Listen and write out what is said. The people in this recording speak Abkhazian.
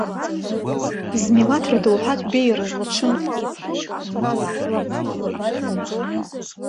Змилаҭ рдоуҳатә беиара злаҽым ауаҩы урҭ рҿахәы аҳәара азин имаӡам.